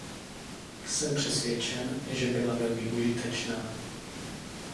Jsem přesvědčen, že byla velmi užitečná.